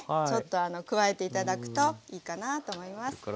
ちょっとあの加えて頂くといいかなと思います。